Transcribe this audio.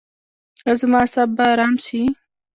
ایا زما اعصاب به ارام شي؟